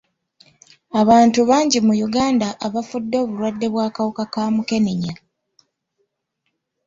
Abantu bangi mu Uganda abafudde obulwadde bw'akawuka ka mukenenya.